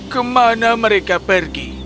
kemana mereka pergi